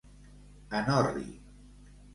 En orri.